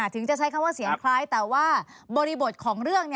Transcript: ถึงจะใช้คำว่าเสียงคล้ายแต่ว่าบริบทของเรื่อง